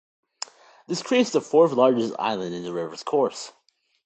This creates the fourth largest island in the rivers course.